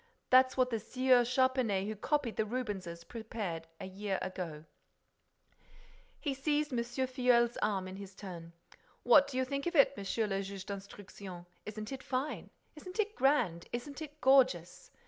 That's what the Sieur Charpenais who copied the Rubenses, prepared a year ago." He seized M. Filleul's arm in his turn. "What do you think of it, Monsieur le Juge d'Instruction? Isn't it fine? Isn't it grand? Isn't it gorgeous?